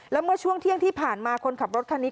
แล้วเมื่อช่วงเที่ยงที่ผ่านมาคนขับรถคันนี้